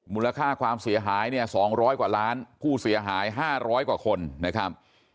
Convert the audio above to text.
มูลค่าความเสียหายเนี่ย๒๐๐กว่าล้านผู้เสียหาย๕๐๐กว่าคนนะครับ